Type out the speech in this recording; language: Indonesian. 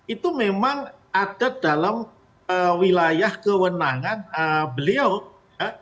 itu memang ada dalam wilayah kewenangan beliau ya